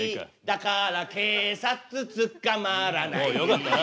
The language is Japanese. だから警察つかまらないおおよかったな。